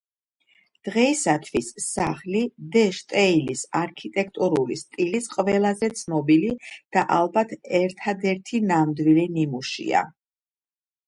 დღეისათვის სახლი დე შტეილის არქიტექტურული სტილის ყველაზე ცნობილი და ალბათ ერთადერთი ნამდვილი ნიმუშია.